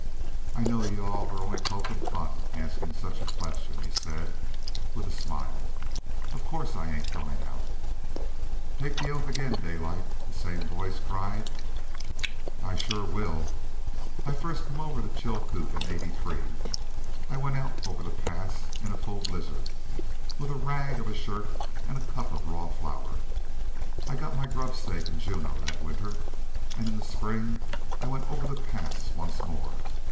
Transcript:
"I know you all are only pokin' fun asking such a question," he said, with a smile. "Of course I ain't going out." "Take the oath again, Daylight," the same voice cried. "I sure will. I first come over Chilcoot in '83. I went out over the Pass in a fall blizzard, with a rag of a shirt and a cup of raw flour. I got my grub stake in Juneau that winter, and in the spring I went over the Pass once more.